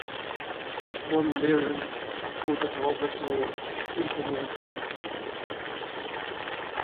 Von Mehren taught at Harvard Law School for more than fifty years.